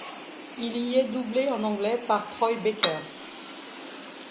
Il y est doublé en anglais par Troy Baker.